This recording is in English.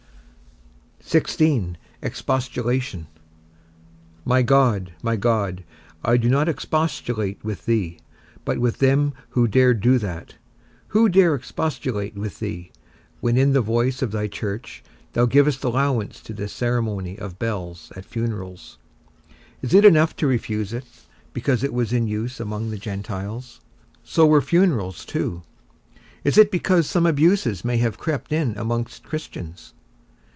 XVI. EXPOSTULATION. My God, my God, I do not expostulate with thee, but with them who dare do that; who dare expostulate with thee, when in the voice of thy church thou givest allowance to this ceremony of bells at funerals. Is it enough to refuse it, because it was in use among the Gentiles? so were funerals too. Is it because some abuses may have crept in amongst Christians?